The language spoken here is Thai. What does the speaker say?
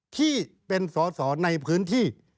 ที่เป็นสอสอในพื้นที่